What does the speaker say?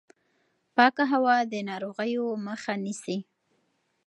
پاکه هوا د ناروغیو مخه نیسي.